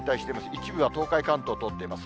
一部は東海、関東、通っています。